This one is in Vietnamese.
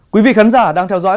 quý vị khán giả đang theo dõi